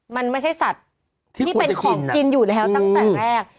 มันไม่ใช่สัตว์ที่เป็นของกินอยู่แล้วตั้งแต่แรก